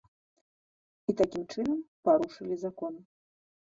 І такім чынам парушылі закон.